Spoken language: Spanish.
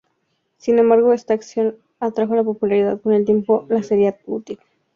Sin embargo esta acción le atrajo popularidad que con el tiempo le sería útil.